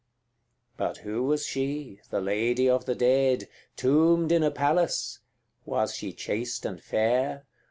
C. But who was she, the lady of the dead, Tombed in a palace? Was she chaste and fair?